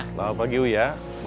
selamat pagi uya